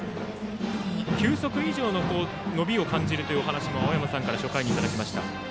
球速以上の伸びを感じるという話を青山さんから初回にいただきました。